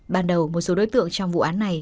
ban đầu một số đối tượng trong vụ án này